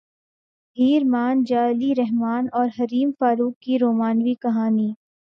ہیر مان جا علی رحمن اور حریم فاروق کی رومانوی کہانی